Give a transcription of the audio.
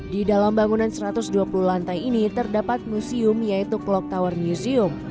di dalam bangunan satu ratus dua puluh lantai ini terdapat museum yaitu clock tower museum